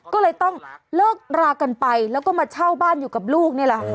ก็เลยต้องเลิกรากันไปแล้วก็มาเช่าบ้านอยู่กับลูกนี่แหละค่ะ